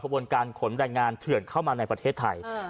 บนการขนแรงงานเถื่อนเข้ามาในประเทศไทย